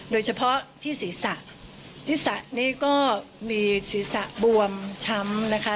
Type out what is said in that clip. โดยเฉพาะที่ศีรษะศีรษะนี่ก็มีศีรษะบวมช้ำนะคะ